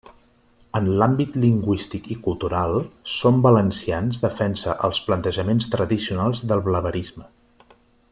En l'àmbit lingüístic i cultural, Som Valencians defensa els plantejaments tradicionals del blaverisme.